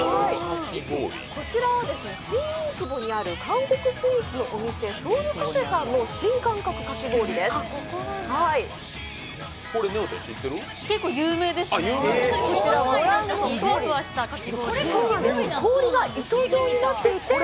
こちらは新大久保ある韓国スイーツのお店、ソウルカフェさんのねおちゃん、知ってる？